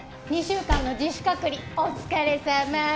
２週間の自主隔離お疲れさま！